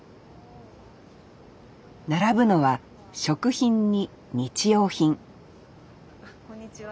並ぶのは食品に日用品あこんにちは。